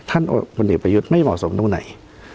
ท่านออุไม่เหมาะสมตรงไหน